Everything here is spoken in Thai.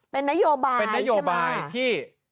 เป็นนโยบายใช่ไหมเป็นนโยบายที่